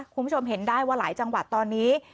คุณผู้ชมเห็นได้ว่าหลายจังหวัดตอนนี้